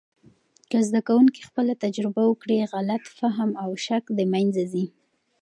که زده کوونکي خپله تجربه وکړي، غلط فهم او شک د منځه ځي.